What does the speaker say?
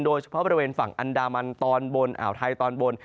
โดยเฉพาะบริเวณฝั่งอันดามันตอนบนอ่าวไทยตอนบน